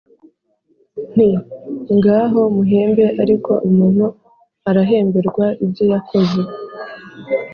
Nti: ngaho muhembe ariko umuntu arahemberwa ibyo yakoze